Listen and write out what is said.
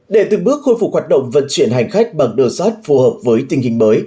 để từng bước khôi phục hoạt động vận chuyển hành khách bằng đường sắt phù hợp với tình hình mới